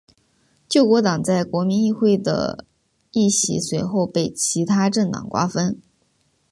救国党在国民议会的议席随后被其它政党瓜分。